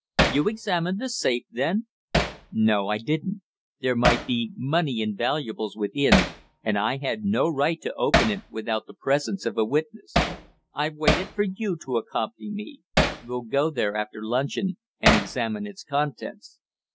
"You examined the safe, then?" "No, I didn't. There might be money and valuables within, and I had no right to open it without the presence of a witness. I've waited for you to accompany me. We'll go there after luncheon and examine its contents."